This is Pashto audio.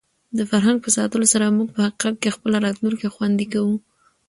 د فرهنګ په ساتلو سره موږ په حقیقت کې خپله راتلونکې خوندي کوو.